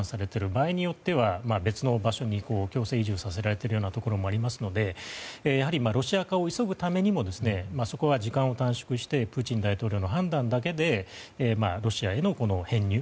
場合によっては別の場所に強制移住させられているところもありますのでやはり、ロシア化を急ぐためにもそこは時間を短縮してプーチン大統領の判断だけでロシアへの編入